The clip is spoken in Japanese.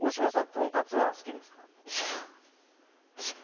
とんかつは好きですか？